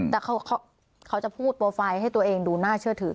แต่เขาจะพูดโปรไฟล์ให้ตัวเองดูน่าเชื่อถือ